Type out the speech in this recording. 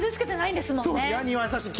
歯に優しい。